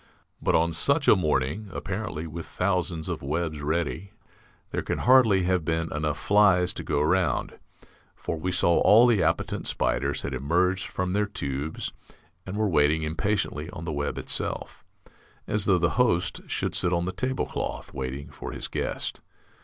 But on such a morning, apparently, with thousands of webs ready, there can hardly have been enough flies to go round; for we saw all the appetent spiders had emerged from their tubes and were waiting impatiently on the web itself as though the host should sit on the tablecloth waiting for his guest.